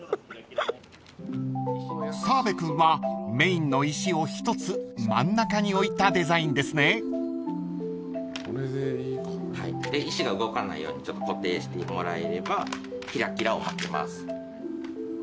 ［澤部君はメインの石を１つ真ん中に置いたデザインですね］で石が動かないように固定してもらえればキラキラをまきます。